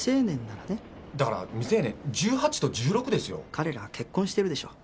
彼らは結婚してるでしょ。